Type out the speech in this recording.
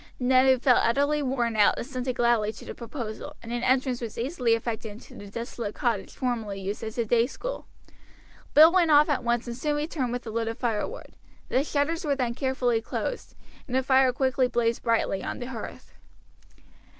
Ned, who felt utterly worn out, assented gladly to the proposal, and an entrance was easily effected into the desolate cottage formerly used as a day school. Bill went off at once and soon returned with a load of firewood; the shutters were then carefully closed, and a fire quickly blazed brightly on the hearth.